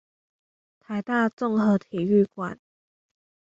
台大綜合體育館